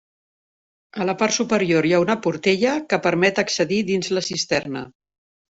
A la part superior hi ha una portella que permet accedir dins la cisterna.